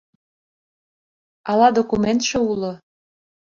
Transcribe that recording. Ала документше уло?